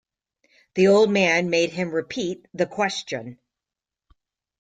The old man made him repeat the question.